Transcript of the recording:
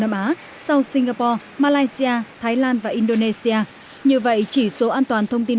nam á sau singapore malaysia thái lan và indonesia như vậy chỉ số an toàn thông tin